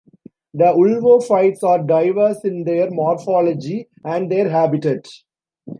The Ulvophytes are diverse in their morphology and their habitat.